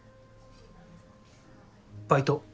バイト。